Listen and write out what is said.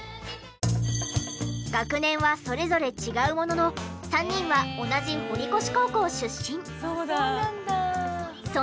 学年はそれぞれ違うものの３人は同じ堀越高校出身。